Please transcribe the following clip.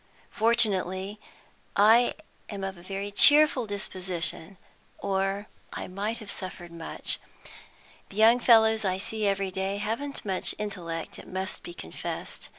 Fortunately I am of a very cheerful disposition, or I might have suffered much. The young fellows I see every day haven't much intellect, it must be confessed.